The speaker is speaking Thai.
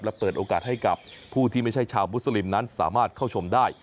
และเปิดโอกาสให้กับผู้ที่ไม่ใช่ชาวมุสลิมนั้นสามารถเข้าชมได้